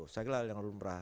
saya kira hal yang lumrah